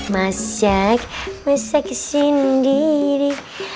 masak masak sendiri